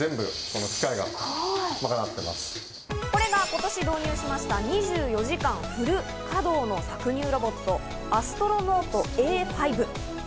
これが今年導入しました、２４時間フル稼働の搾乳ロボット、アストロノートＡ５。